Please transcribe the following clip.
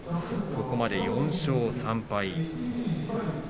ここまで４勝３敗。